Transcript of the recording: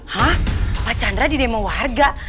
hah pak chandra di demo warga